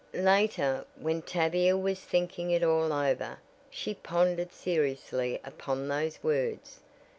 Later, when Tavia was thinking it all over, she pondered seriously upon those words.